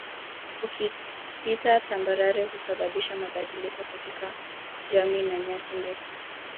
Ukipita tambarare husababisha mabadiliko katika jami na nyasi ndefu